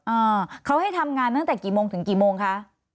อ่าเขาให้ทำงานตั้งแต่กี่โมงถึงกี่โมงคะ